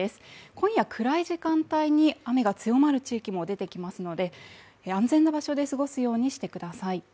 今夜暗い時間帯に雨が強まる地域も出てきますので安全な場所で過ごすようにしてください。